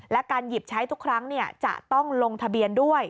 และการหยิบใช้ทุกครั้งจะต้องลงทะเบียนด้วย